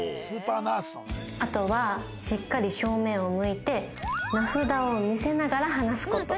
あとはしっかり正面を向いて名札を見せながら話す事。